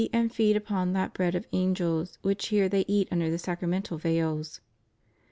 and feed upon that bread of angels which here they eat under the sacramental veils."